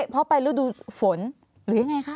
เพราะไปฤดูฝนหรือยังไงคะ